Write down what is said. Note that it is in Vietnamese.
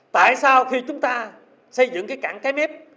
tại sao khi chúng ta xây dựng cái cảng cái mép